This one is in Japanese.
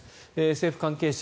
政府関係者